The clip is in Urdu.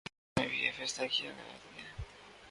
اجلاس میں یہ بھی فیصلہ کیا گیا کہ